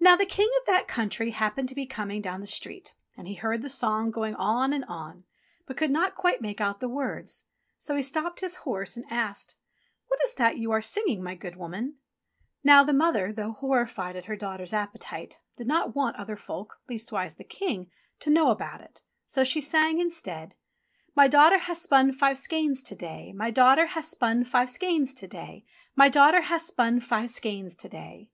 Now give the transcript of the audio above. Now the King of that country happened to be coming down the street, and he heard the song going on and on, but could not quite make out the words. So he stopped his horse, and asked : "What is that you are singing, my good woman ?" Now the mother, though horrified at her daughter's ap petite, did not want other folk, leastwise the King, to know about it, so she sang instead : "My daughter ha' spun five skeins to day, My daughter ha' spun five skeins to day, My daughter ha' spun five skeins to day."